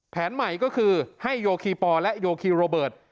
แผนใหม่ก็คือให้โยคีปอและโยคีโรเบิร์ต